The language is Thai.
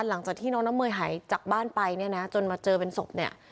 หลังจากที่น้องน้ำเมยหายจากบ้านไปเนี่ยนะจนมาเจอเป็นศพเนี่ย